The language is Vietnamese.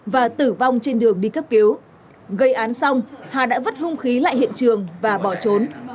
và tử vong trên đường đi cấp cứu gây án xong hà đã vứt hung khí lại hiện trường và bỏ trốn